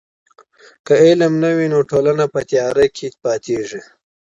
که علم نه وي نو ټولنه په تیاره کي پاتیږي.